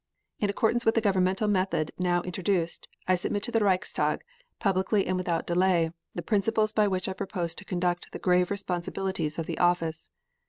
In accordance with the governmental method now introduced I submit to the Reichstag, publicly and without delay, the principles by which I propose to conduct the grave responsibilities of the office.